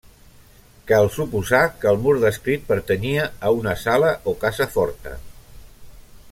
Cal suposar que el mur descrit pertanyia a una sala o casa forta.